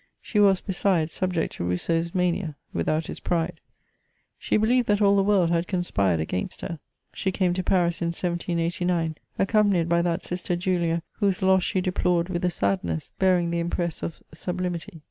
She was, besides, subject to Rbusseau's mania, without his pride. She beheved that all tbe world had conspired against her. She came to Paris in 1 789, accompanied by that sister Julia, whose loss she deplored with a sadness, bearing the impress of sub limity.